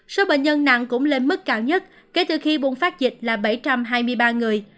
số bệnh nhân nặng cũng lên mức cao nhất kể từ khi bùng phát dịch là bảy trăm hai mươi ba người